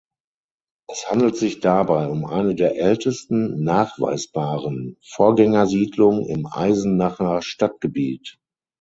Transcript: Es handelt sich dabei um eine der ältesten nachweisbaren Vorgängersiedlung im Eisenacher Stadtgebiet.